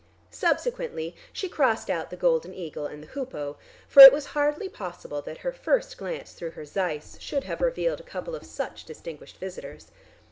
Subsequently she crossed out the golden eagle and the hoopoe, for it was hardly possible that her first glance through her Zeiss should have revealed a couple of such distinguished visitors.